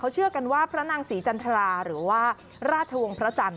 เชื่อกันว่าพระนางศรีจันทราหรือว่าราชวงศ์พระจันทร์